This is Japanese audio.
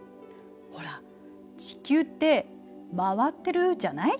ほら地球って回ってるじゃない？